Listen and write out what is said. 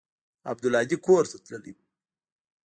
عبدالهادي کور ته تللى و.